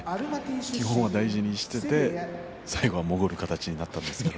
基本は大事にしていて最後は潜る形になったんですけれど。